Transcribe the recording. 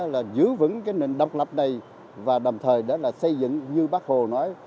là giữ vững cái nền độc lập này và đồng thời đó là xây dựng như bác hồ nói